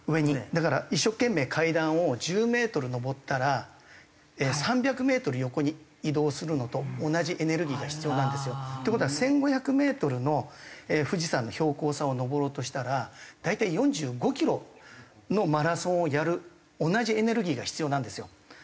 だから一生懸命階段を１０メートル上ったら３００メートル横に移動するのと同じエネルギーが必要なんですよ。っていう事は１５００メートルの富士山の標高差を登ろうとしたら大体４５キロのマラソンをやる同じエネルギーが必要なんですよ。